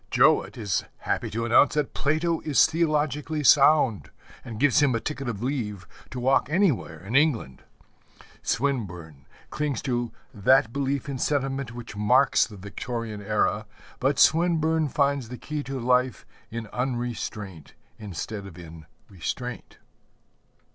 Jowett is happy to announce that Plato is theologically sound, and gives him a ticket of leave to walk anywhere in England. Swinburne clings to that belief in sentiment which marks the Victorian era, but Swinburne finds the key to life in unrestraint instead of in restraint.